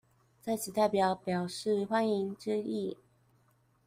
在此代表表示歡迎之意